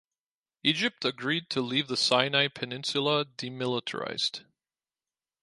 Egypt agreed to leave the Sinai Peninsula demilitarized.